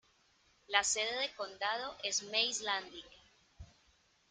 La sede de condado es Mays Landing.